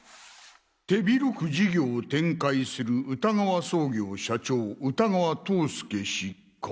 手広く事業を展開する歌川総業社長歌川塔介氏か。